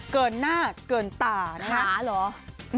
เกินหน้าเกินตาหน้าหรอ